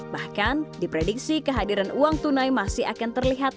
bahkan diprediksi kehadiran uang tunai masih akan terlihat